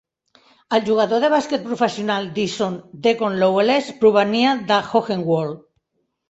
El jugador de bàsquet professional Deason "Decon" Loveless provenia de Hohenwald.